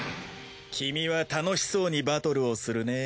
君は楽しそうにバトルをするね。